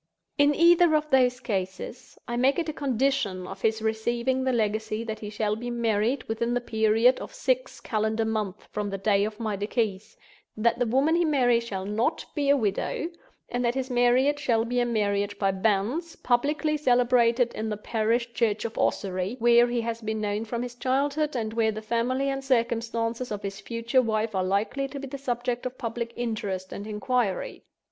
in either of those cases, I make it a condition of his receiving the legacy that he shall be married within the period of Six calendar months from the day of my decease; that the woman he marries shall not be a widow; and that his marriage shall be a marriage by Banns, publicly celebrated in the parish church of Ossory—where he has been known from his childhood, and where the family and circumstances of his future wife are likely to be the subject of public interest and inquiry."